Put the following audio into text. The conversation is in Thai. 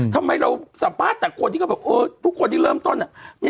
ทำไมเราสัมภาษณ์แต่คนที่ก็พูดคนที่เริ่มต้น